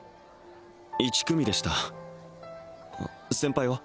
１組でした先輩は？